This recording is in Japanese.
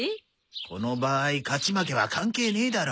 この場合勝ち負けは関係ねえだろ。